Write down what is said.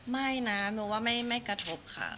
ไม่นะหนูว่าไม่กระทบค่ะ